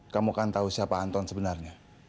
kamu kan tahu siapa anton sebenarnya